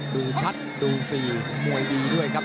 ดูชัดดูฟรีมวยดีด้วยครับ